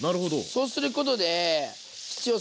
そうすることで必要